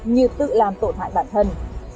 như tự làm tội hại bản thân